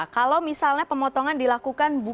kalau misalnya pemotongan dilakukan bukan jauh